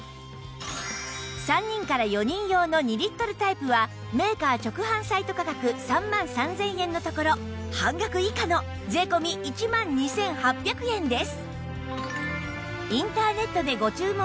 ３人から４人用の２リットルタイプはメーカー直販サイト価格３万３０００円のところ半額以下の税込１万２８００円です